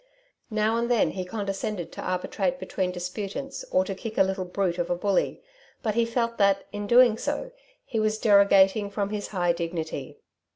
Now and then he condescended to arbitrate between disputants or to kick a little brute of a bully, but he felt that, in doing so, he was derogating from his high dignity.